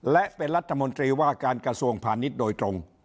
และเป็นรัฐมนตรีว่าการกระทรวงพาณิชย์โดยตรง